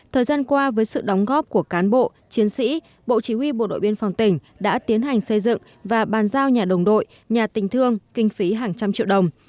thời gian qua với sự đóng góp của cán bộ chiến sĩ bộ chí huy bộ đội biên phòng tỉnh đã tiến hành xây dựng và bàn giao nhà đồng đội nhà tình thương kinh phí hàng trăm triệu đồng